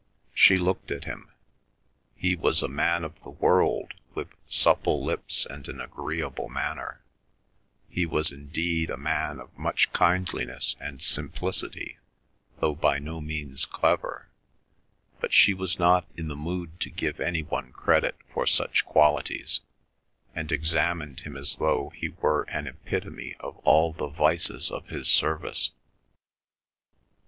She looked at him. He was a man of the world with supple lips and an agreeable manner, he was indeed a man of much kindliness and simplicity, though by no means clever, but she was not in the mood to give any one credit for such qualities, and examined him as though he were an epitome of all the vices of his service.